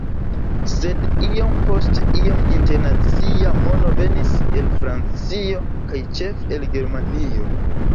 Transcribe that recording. Sed iom post iom internacia mono venis el Francio kaj ĉefe el Germanio.